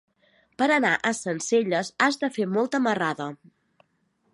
Per anar a Sencelles has de fer molta marrada.